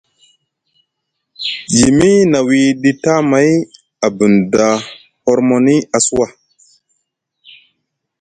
Yimi na wiiɗi tamay a bunda hormoni a suwa.